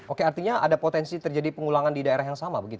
oke artinya ada potensi terjadi pengulangan di daerah yang sama begitu